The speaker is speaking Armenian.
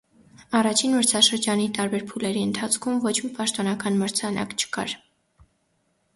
Առաջին մրցաշրջանի տարբեր փուլերի ընթացքում ոչ մի պաշտոնական մրցանակ չկար։